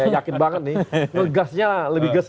yakin banget nih ngegasnya lebih gas